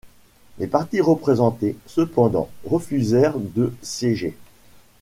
Les partis représentés, cependant, refusèrent de siéger.